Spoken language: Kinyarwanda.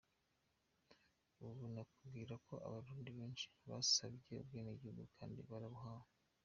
Ubu nakubwira ko Abarundi benshi basabye ubwenegihugu kandi barabuhawe.